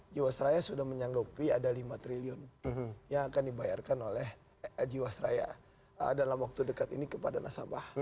jiwasraya sudah menyanggupi ada lima triliun yang akan dibayarkan oleh jiwasraya dalam waktu dekat ini kepada nasabah